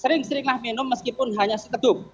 sering seringlah minum meskipun hanya seteduk